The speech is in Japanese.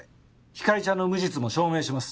ひかりちゃんの無実も証明します。